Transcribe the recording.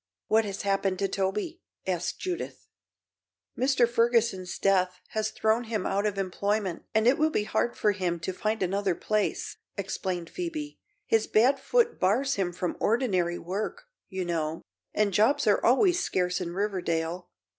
"What has happened to Toby?" asked Judith. "Mr. Ferguson's death has thrown him out of employment and it will be hard for him to find another place," explained Phoebe. "His bad foot bars him from ordinary work, you know, and jobs are always scarce in Riverdale.